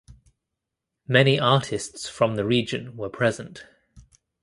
Many artists from the region were present.